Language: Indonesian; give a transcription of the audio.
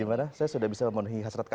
gimana saya sudah bisa memenuhi hasratnya ya